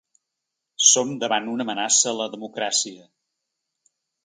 Som davant una amenaça a la democràcia.